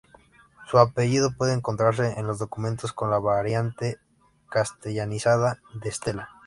Su apellido puede encontrarse en los documentos con la variante castellanizada de Estela.